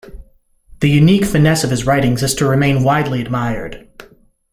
The unique finesse of his writings is to remain widely admired.